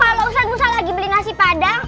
kalau ustadz musa lagi beli nasi padang